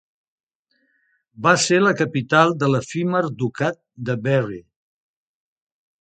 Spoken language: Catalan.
Va ser la capital de l'efímer ducat de Berry.